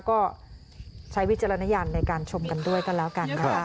ก็ใช้วิจารณญาณในการชมกันด้วยกันแล้วกันนะคะ